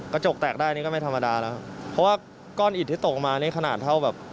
กระจกแตกได้นี่ก็ไม่ธรรมดาแล้วครับเพราะว่าก้อนอิดที่ตกมานี่ขนาดเท่าแบบ